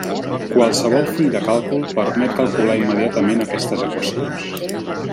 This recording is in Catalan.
Qualsevol full de càlcul permet calcular immediatament aquestes equacions.